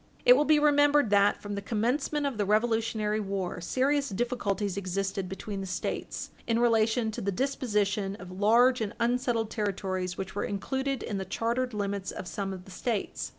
It will be remembered that, from the commencement of the Revolutionary war, serious difficulties existed between the States in relation to the disposition of large and unsettled territories which were included in the chartered limits of some of the States.